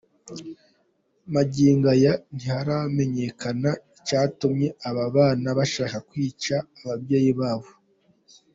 Magingo aya ntiharamenyekana icyatumye aba bana bashaka kwica ababyeyi babo.